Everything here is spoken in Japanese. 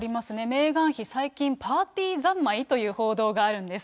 メーガン妃、最近、パーティーざんまいという報道があるんです。